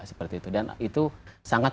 seperti itu dan itu sangat